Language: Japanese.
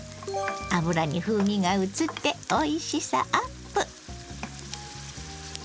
油に風味がうつっておいしさアップ。